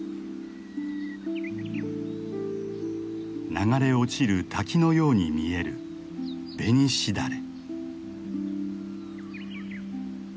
流れ落ちる滝のように見えるベニシダレ。